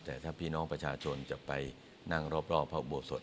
แต่ถ้าพี่น้องประชาชนจะไปนั่งรอบพระอุโบสถ